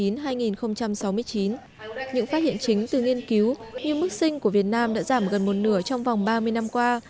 những phát hiện chính từ nghiên cứu như mức sinh của việt nam đã giảm gần một nửa trong vòng ba mươi năm qua